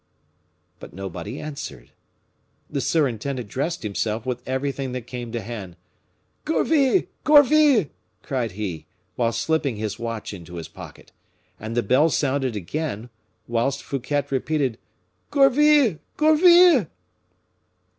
But nobody answered. The surintendant dressed himself with everything that came to hand. "Gourville! Gourville!" cried he, while slipping his watch into his pocket. And the bell sounded again, whilst Fouquet repeated, "Gourville! Gourville!"